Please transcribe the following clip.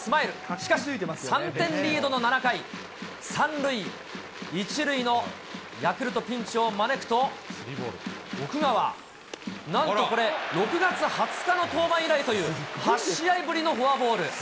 しかし、３点リードの７回、３塁１塁のヤクルト、ピンチを招くと、奥川、なんとこれ、６月２０日の登板以来という、８試合ぶりのフォアボール。